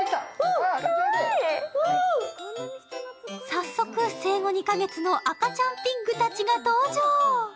早速、生後２カ月の赤ちゃんピッグたちが登場。